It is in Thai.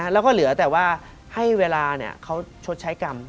แล้วก็เหลือแต่ว่าให้เวลาเขาชดใช้กรรม